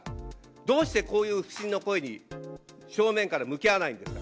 どうしてこういう不信の声に、正面から向き合わないんですか？